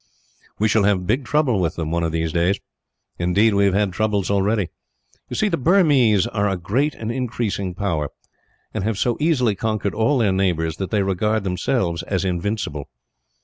"We shall have big trouble with them, one of these days; indeed, we have had troubles already. You see, the Burmese are a great and increasing power, and have so easily conquered all their neighbours that they regard themselves as invincible.